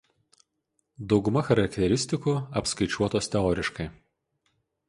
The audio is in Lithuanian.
Dauguma charakteristikų apskaičiuotos teoriškai.